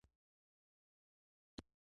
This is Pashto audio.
ماڼۍ خالي پاتې شوې